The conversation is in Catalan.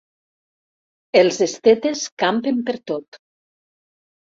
Els estetes campen pertot.